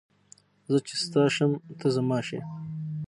چې زه ستا شم ته زما شې